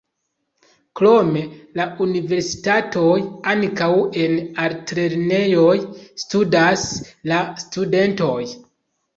Krom la universitatoj ankaŭ en altlernejoj studas la studentoj.